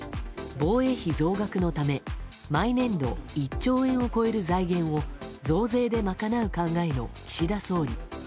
防衛費増額のため毎年度１兆円を超える財源を増税で賄う考えの岸田総理。